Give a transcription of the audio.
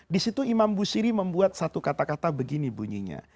di situ imam busiri membuat satu kata kata begini bunyinya